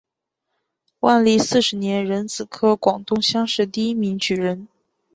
万历四十年壬子科广东乡试第一名举人。